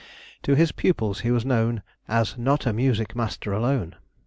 To his pupils he was known as not a music master alone.